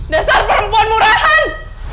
desa perempuan murahan